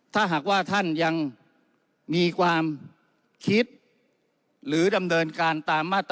ถ้าหากว่าท่านยังมีความคิดหรือดำเนินการตามมาตร